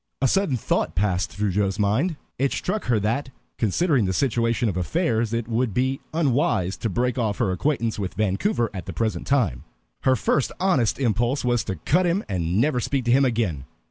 A sudden thought passed through Joe's mind. It struck her that, considering the situation of affairs, it would be unwise to break off her acquaintance with Vancouver at the present time. Her first honest impulse was to cut him and never speak to him again.